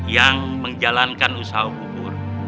yang menjalankan usaha ukur